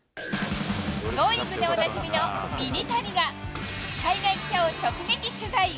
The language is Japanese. Ｇｏｉｎｇ！でおなじみのミニタニが、海外記者を直撃取材。